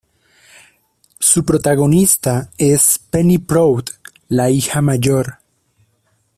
Su protagonista es Penny Proud, la hija mayor.